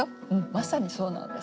まさにそうなんです。